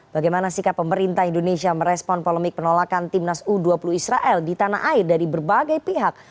bagaimana sikap pemerintah indonesia merespon polemik penolakan timnas u dua puluh israel di tanah air dari berbagai pihak